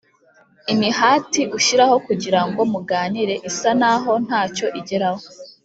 imihati ushyiraho kugira ngo muganire isa n aho nta cyo igeraho